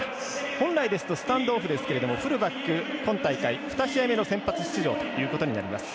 本来ですと、スタンドオフですがフルバック今大会、２試合目の先発出場となります。